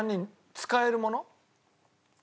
使えるもの？